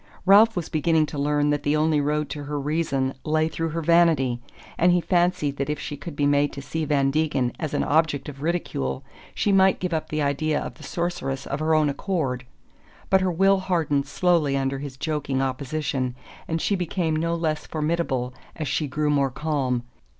Ralph was beginning to learn that the only road to her reason lay through her vanity, and he fancied that if she could be made to see Van Degen as an object of ridicule she might give up the idea of the Sorceress of her own accord. But her will hardened slowly under his joking opposition, and she became no less formidable as she grew more calm.